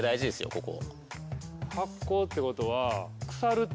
ここ。